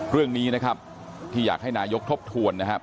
เรื่องนี้นะครับที่อยากให้นายกทบทวนนะครับ